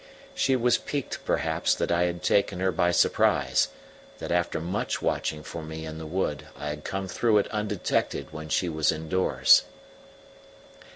She was piqued perhaps that I had taken her by surprise, that after much watching for me in the wood I had come through it undetected when she was indoors.